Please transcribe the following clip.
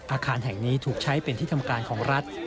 อาคารแห่งนี้ถูกใช้เป็นที่ทำการของรัฐ